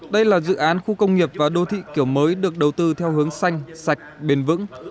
đây là dự án khu công nghiệp và đô thị kiểu mới được đầu tư theo hướng xanh sạch bền vững